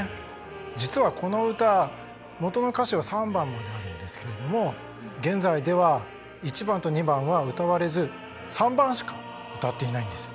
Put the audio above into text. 実はこの歌元の歌詞は３番まであるんですけれども現在では１番と２番は歌われず３番しか歌っていないんです。